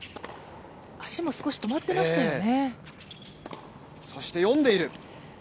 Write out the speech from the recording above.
足も少し止まってましたよね。